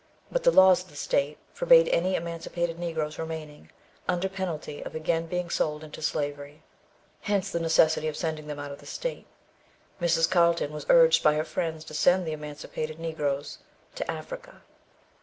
But the laws of the state forbade any emancipated Negroes remaining, under penalty of again being sold into slavery. Hence the necessity of sending them out of the state. Mrs. Carlton was urged by her friends to send the emancipated Negroes to Africa.